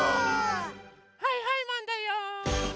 はいはいマンだよ！